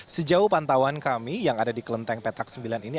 sejauh pantauan kami yang ada di kelenteng petak sembilan ini